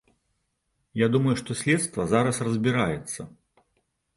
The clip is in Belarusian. Я думаю, што следства зараз разбіраецца.